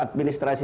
yang itu tidak lagi